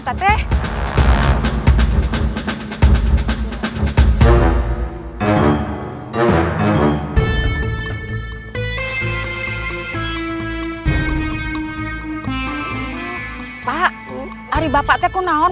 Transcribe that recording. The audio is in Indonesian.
lepas itu aku akan kembali ke rumah